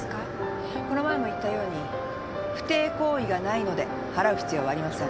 この前も言ったように不貞行為がないので払う必要はありません。